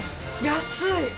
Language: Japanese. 安い！